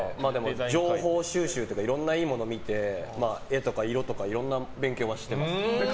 情報収集というかいろんないいものを見て絵とか色とかいろんな勉強はしてます。